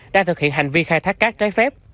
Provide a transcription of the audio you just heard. đang thực hiện hành vi khai thác cát trái phép